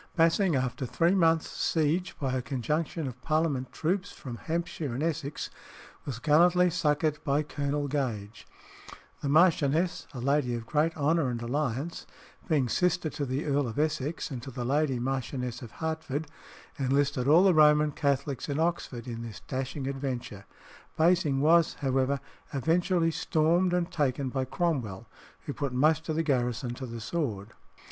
Basing, after three months' siege by a conjunction of Parliament troops from Hampshire and Essex, was gallantly succoured by Colonel Gage. The Marchioness, a lady of great honour and alliance, being sister to the Earl of Essex and to the lady Marchioness of Hertford, enlisted all the Roman Catholics in Oxford in this dashing adventure. Basing was, however, eventually stormed and taken by Cromwell, who put most of the garrison to the sword.